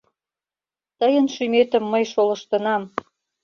Тыйын шӱметым мый шолыштынам.